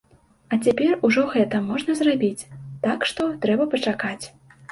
А цяпер ужо гэта можна зрабіць, так што, трэба пачакаць.